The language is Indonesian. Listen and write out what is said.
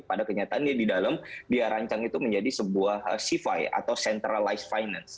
pada kenyataan dia di dalam dia rancang itu menjadi sebuah sify atau centralized finance